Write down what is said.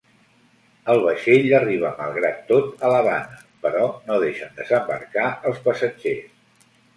El vaixell arriba malgrat tot a l'Havana, però no deixen desembarcar els passatgers.